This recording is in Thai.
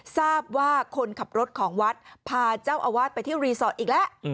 ทราบว่าคนขับรถของวัดพาเจ้าอาวาสไปที่รีสอร์ทอีกแล้ว